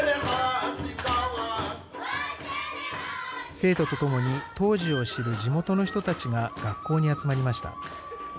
生徒とともに当時を知る地元の人たちが学校に集まりました。